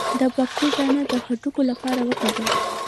د باقلي دانه د هډوکو لپاره وکاروئ